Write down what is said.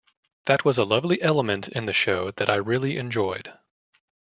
That was a lovely element in the show that I really enjoyed.